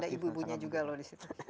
ada ibu ibunya juga loh di situ